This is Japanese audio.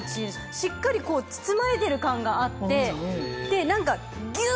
しっかりこう包まれてる感があって何かぎゅ！